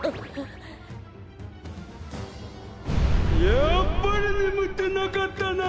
やっぱりねむってなかったな！